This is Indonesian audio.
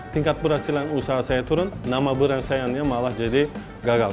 tingkat berhasilan usaha saya turun nama buruh sayangnya malah jadi gagal